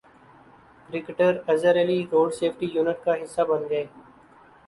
cricketer Azhar Ali road safety unit کا حصہ بن گئے